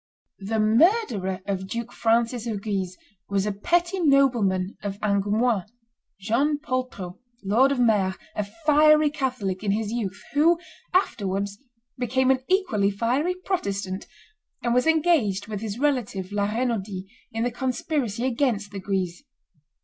The murderer of Duke Francis of Guise was a petty nobleman of Angoumois, John Poltrot, Lord of Mere, a fiery Catholic in his youth, who afterwards became an equally fiery Protestant, and was engaged with his relative La Renaudie in the conspiracy against the Guises.